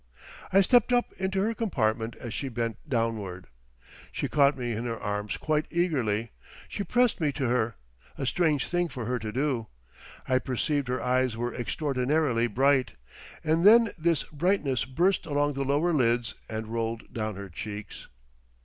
I stepped up into her compartment as she bent downward. She caught me in her arms quite eagerly, she pressed me to her—a strange thing for her to do. I perceived her eyes were extraordinarily bright, and then this brightness burst along the lower lids and rolled down her cheeks.